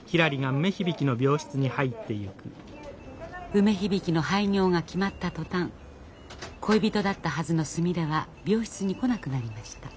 梅響の廃業が決まった途端恋人だったはずのすみれは病室に来なくなりました。